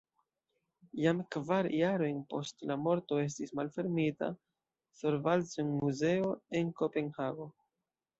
Jam kvar jarojn post la morto estis malfermita Thorvaldsen-muzeo en Kopenhago.